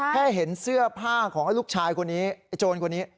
แค่เห็นเสื้อผ้าของลูกชายคนนี้ไอ้โจรคนนี้